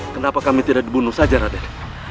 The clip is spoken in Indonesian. kenapa kami tidak dibunuh saja raden